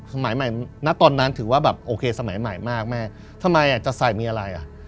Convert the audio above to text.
สมัยใหม่ณตอนนั้นถือว่าแบบโอเคสมัยใหม่มากแม่ทำไมอ่ะจะใส่มีอะไรอ่ะ